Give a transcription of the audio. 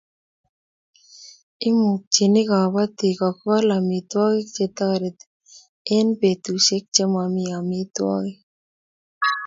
imukchini kabatik ko kol amitwogik che tareti eng'petushek che mamii amitwogik